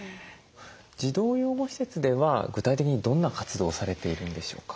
児童養護施設では具体的にどんな活動をされているんでしょうか？